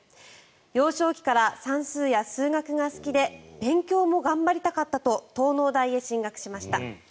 幼少期から算数や数学が好きで勉強も頑張りたかったと東農大へ進学しました。